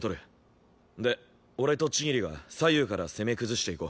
で俺と千切が左右から攻め崩していこう。